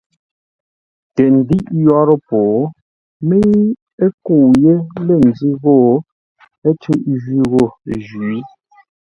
Tə ndə́iʼ yórə́ po, mə́i ə́ kə́u yé lə̂ ńzʉ́ ghô, ə́ cʉ́ʼ jwí ghô jwǐ.